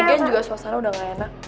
kayaknya juga suasana udah gak enak